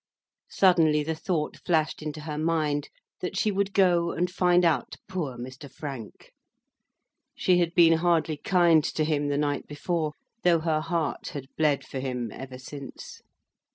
Suddenly the thought flashed into her mind that she would go and find out poor Mr. Frank. She had been hardly kind to him the night before, though her heart had bled for him ever since.